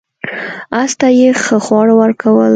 اس ته یې ښه خواړه ورکول.